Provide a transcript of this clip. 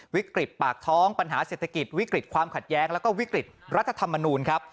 วิกฤตปากท้องปัญหาเศรษฐกิจวิกฤตความขัดแย้งแล้วก็วิกฤตรัฐธรรมนูลครับ